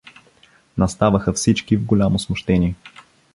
Наставаха всички в голямо смущение.